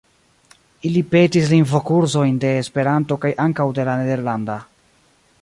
Ili petis lingvokursojn de Esperanto kaj ankaŭ de la nederlanda.